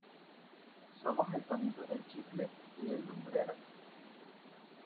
somos el tontito del chicle y el lumbreras.